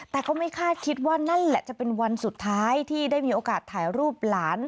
แต่ก็ไม่คาดคิดว่านั่นแหละจะเป็นวันสุดท้ายที่ได้มีโอกาสถ่ายรูปหลาน